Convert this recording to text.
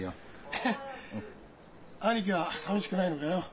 ヘヘッ兄貴はさみしくないのかよ？